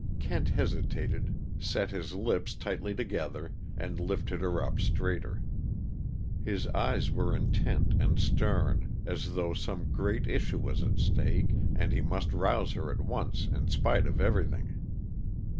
Kent hesitated, set his lips tightly together, and lifted her up straighter. His eyes were intent and stern, as though some great issue was at stake, and he must rouse her at once, in spite of everything.